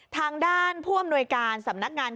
ทางด้านผู้อำนวยการสำนักงาน